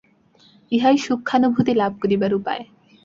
ইহাই সূক্ষ্মানুভূতি লাভ করিবার উপায়।